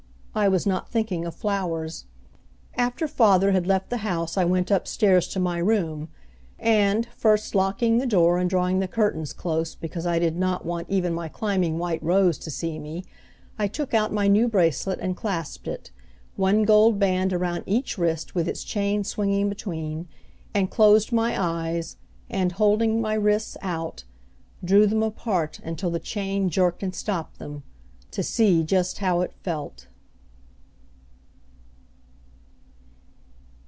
I was not thinking of flowers. After father had left the house I went up stairs to my room; and, first locking the door and drawing the curtains close because I did not want even my climbing white rose to see me, I took out my new bracelet, and clasped it one gold band around each wrist with its chain swinging between and closed my eyes and, holding my wrists out, drew them apart until the chain jerked and stopped them to see just how it felt!